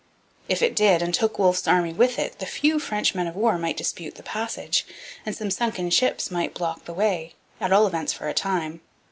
If it did, and took Wolfe's army with it, the few French men of war might dispute the passage, and some sunken ships might block the way, at all events for a time.